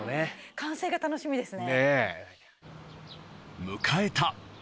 完成が楽しみですね。